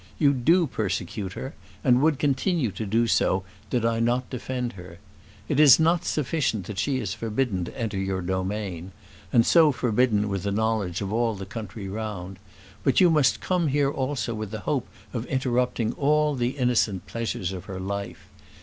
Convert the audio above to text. You do persecute her, and would continue to do so did I not defend her. It is not sufficient that she is forbidden to enter your domain and so forbidden with the knowledge of all the country round but you must come here also with the hope of interrupting all the innocent pleasures of her life.